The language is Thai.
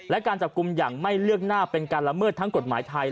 และการจับกลุ่มอย่างไม่เลือกหน้าเป็นการละเมิดทั้งกฎหมายไทย